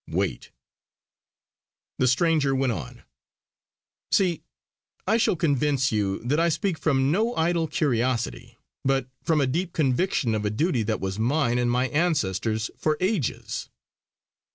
Wait" the stranger went on: "See, I shall convince you that I speak from no idle curiosity, but from a deep conviction of a duty that was mine and my ancestors' for ages."